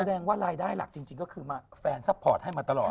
แสดงว่ารายได้หลักจริงก็คือแฟนซัพพอร์ตให้มาตลอด